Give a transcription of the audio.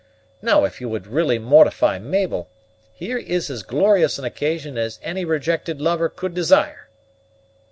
Now, if you would really mortify Mabel, here is as glorious an occasion as any rejected lover could desire."